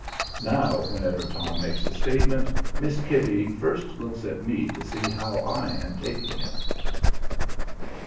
Now whenever Tom makes a statement Miss Kitty looks first at me to see how I am taking it.